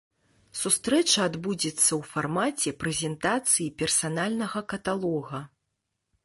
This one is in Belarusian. Сустрэча адбудзецца ў фармаце прэзентацыі персанальнага каталога.